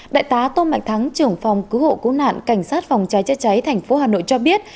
đại tá tô mạnh thắng trưởng phòng cứu hộ cứu nạn cảnh sát phòng cháy chữa cháy thành phố hà nội cho biết